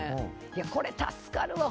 これ助かるわ。